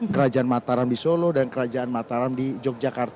kerajaan mataram di solo dan kerajaan mataram di yogyakarta